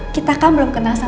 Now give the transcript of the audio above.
kita kan belum pernah ketemu